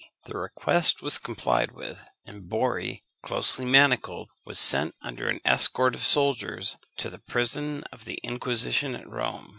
The request was complied with; and Borri, closely manacled, was sent under an escort of soldiers to the prison of the Inquisition at Rome.